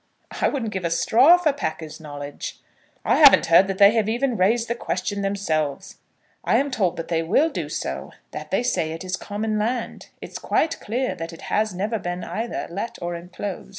"I wouldn't give a straw for Packer's knowledge." "I haven't heard that they have even raised the question themselves." "I'm told that they will do so, that they say it is common land. It's quite clear that it has never been either let or enclosed."